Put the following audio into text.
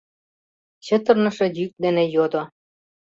Чытырныше йӱк дене йодо: